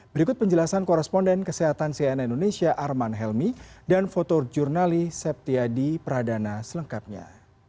berikut penjelasan koresponden kesehatan cnn indonesia arman helmi dan fotor jurnali septiadi pradana selengkapnya